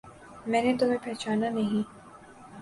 میں نے تمہیں پہچانا نہیں